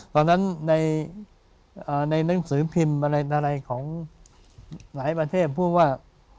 ตอนนั้นในหนังสือพิมพ์อะไรของหลายประเทศพูดว่า